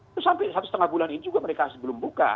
itu sampai satu setengah bulan ini juga mereka sebelum buka